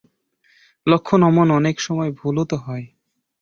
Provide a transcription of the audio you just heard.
লক্ষণ অমন অনেক সময় ভুলও তো হয়।